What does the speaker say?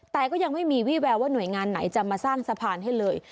แต่ก็ยังไม่มีวี่แววว่าหน่วยงานไหนจะมาสร้างสะพานให้เลย